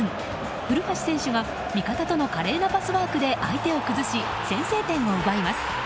古橋選手が華麗なパスワークで相手を崩し先制点を奪います。